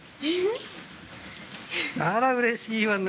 あらうれしいわね。